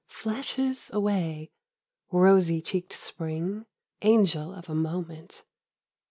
Flashes away, Rosy cheeked Spring, Angel of a moment.